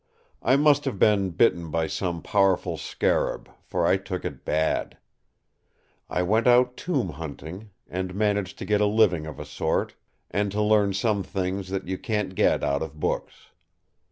I must have been bitten by some powerful scarab, for I took it bad. I went out tomb hunting; and managed to get a living of a sort, and to learn some things that you can't get out of books.